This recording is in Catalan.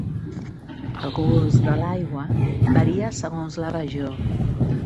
El gust de l'aigua varia segons la regió.